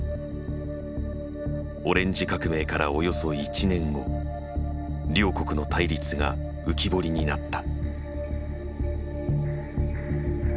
オレンジ革命からおよそ１年後両国の対立が浮き彫りになった。